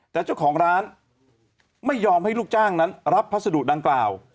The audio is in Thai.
แต่เจ้าของร้านไม่ยอมให้ลูกจ้างนั้นรับพัสดุดังกล่าว